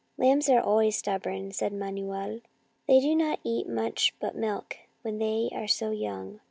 " Lambs are always stubborn/' said Manuel. " They do not eat much but milk when they are so young.